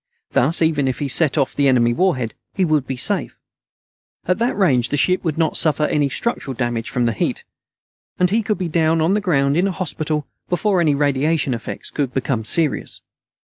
Thus even if he set off the enemy warhead, he would be safe. At that range the ship would not suffer any structural damage from the heat, and he could be down on the ground and in a hospital before any radiation effects could become serious.